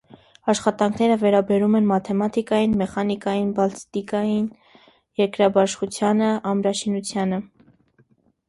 Աշխատանքները վերաբերում են մաթեմատիկային, մեխանիկային, բալիստիկային, երկրաբաշխությանը, ամրաշինությանը։